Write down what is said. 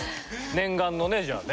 念願のねじゃあね。